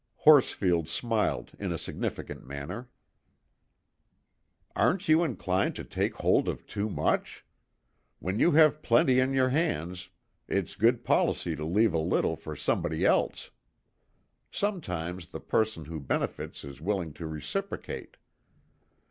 Horsfield smiled in a significant manner. "Aren't you inclined to take hold of too much? When you have plenty in your hands, it's good policy to leave a little for somebody else. Sometimes the person who benefits is willing to reciprocate."